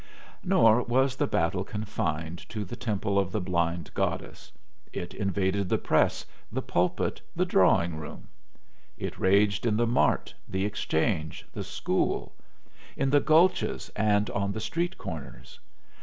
Nor was the battle confined to the temple of the blind goddess it invaded the press, the pulpit, the drawing room. It raged in the mart, the exchange, the school; in the gulches, and on the street corners.